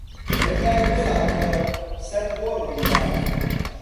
ڕێگای بخاتە سەر گۆڕم جارێ